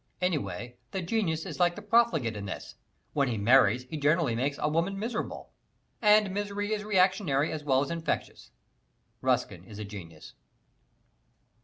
Anyway, the genius is like the profligate in this: when he marries he generally makes a woman miserable. And misery is reactionary as well as infectious. Ruskin is a genius.